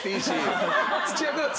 土屋君は。